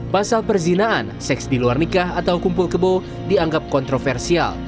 pasal perzinaan seks di luar nikah atau kumpul kebo dianggap kontroversial